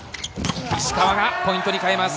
石川がポイントに変えます。